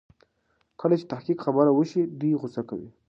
کله چې د تحقيق خبره وشي دوی غوسه کوي.